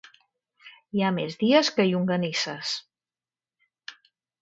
Hi ha més dies que llonganisses.